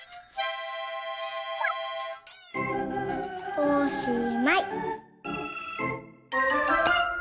おしまい！